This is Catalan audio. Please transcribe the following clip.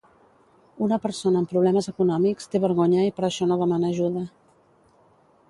Una persona amb problemes econòmics té vergonya i per això no demana ajuda